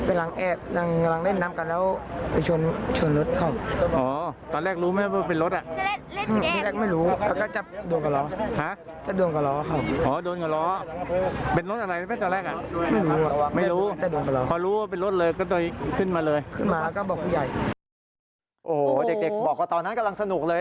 โอ้โหเด็กบอกว่าตอนนั้นกำลังสนุกเลย